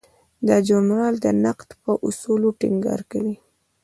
دا ژورنال د نقد په اصولو ټینګار کوي.